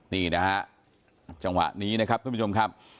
นี่นะฮะจังหวะนี้นะครับท่านผู้ชมครับ